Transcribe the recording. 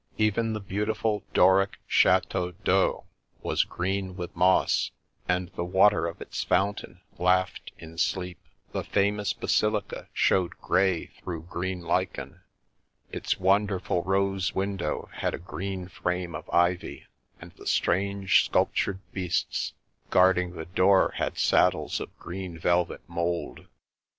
Even the beautiful Doric chateau d'eau was green with moss, and the water of its fountain 350 The Princess Passes laughed in sleep; the famous basilica showed grey through green lichen; its wonderful rose window had a green frame of ivy, and the strange, sculptured beasts guarding the door had saddles of green velvet mould.